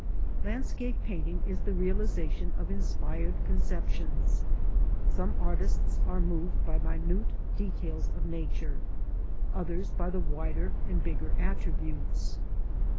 Landscape painting is the realisation of inspired conceptions. Some artists are moved by minute details of Nature; others by the wider and bigger attributes.